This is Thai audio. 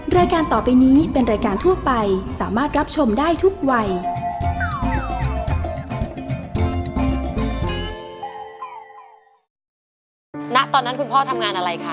รายการต่อไปนี้เป็นรายการทั่วไปสามารถรับชมได้ทุกวัย